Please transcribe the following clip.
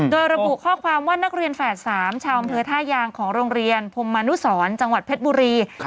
โดยระบุข้อความว่านักเรียนแฝด๓ชาวอำเภอท่ายางของโรงเรียนพรมมนุสรจังหวัดเพชรบุรี